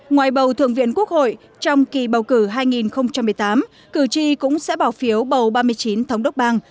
ngoài bầu thượng viện quốc hội trong kỳ bầu cử hai nghìn một mươi tám cử tri cũng sẽ bảo phiếu bầu ba mươi chín thống đốc bang